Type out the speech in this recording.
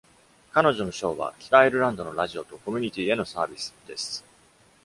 彼女の賞は「北アイルランドのラジオとコミュニティへのサービス」です。